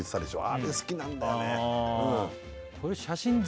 あれ好きなんだよね